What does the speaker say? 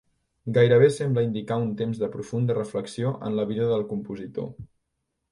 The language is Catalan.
Gairebé sembla indicar un temps de profunda reflexió en la vida del compositor.